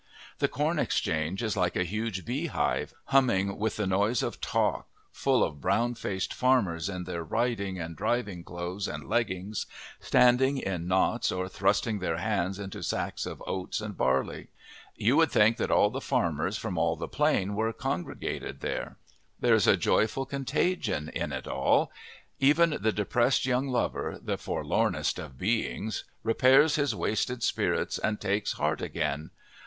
The Corn Exchange is like a huge beehive, humming with the noise of talk, full of brown faced farmers in their riding and driving clothes and leggings, standing in knots or thrusting their hands into sacks of oats and barley. You would think that all the farmers from all the Plain were congregated there. There is a joyful contagion in it all. Even the depressed young lover, the forlornest of beings, repairs his wasted spirits and takes heart again.